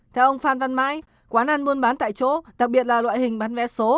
theo ông phan văn mãi quán ăn buôn bán tại chỗ đặc biệt là loại hình bán vé số